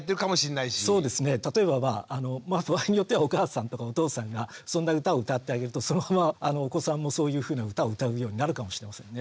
そうですね例えば場合によってはお母さんとかお父さんがそんな歌を歌ってあげるとそのままお子さんもそういうふうな歌を歌うようになるかもしれませんね。